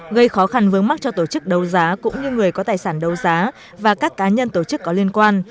gây khó khăn vướng mắt cho tổ chức đấu giá cũng như người có tài sản đấu giá và các cá nhân tổ chức có liên quan